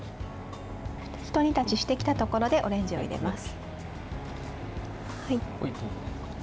ひと煮立ちしてきたところでオレンジを入れます。